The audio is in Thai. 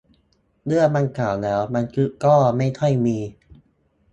เรื่องมันเก่าแล้ว บันทึกก็ไม่ค่อยมี